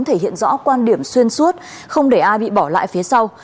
thể hiện rõ quan điểm xuyên suốt không để ai bị bỏ lại phía sau